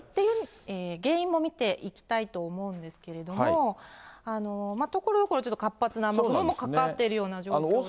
原因も見ていきたいと思うんですけれども、ところどころちょっと活発な雨雲もかかっているような状況でして。